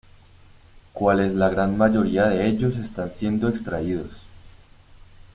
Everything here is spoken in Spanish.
Cuales la gran mayoría de ellos están siendo extraídos.